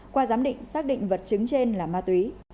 qua giám định xác định vật chứng trên là ma túy